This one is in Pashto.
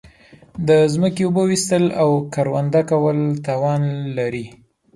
د زمکی اوبه ویستل او کرونده کول تاوان لری